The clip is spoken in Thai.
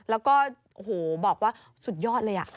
แล้วก็บอกว่าสุดยอดเลย